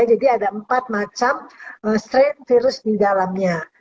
jadi ada empat macam strain virus di dalamnya